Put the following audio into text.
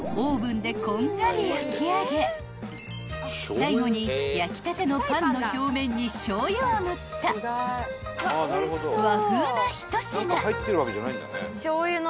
［最後に焼きたてのパンの表面にしょうゆを塗った和風な一品］